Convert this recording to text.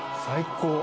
最高。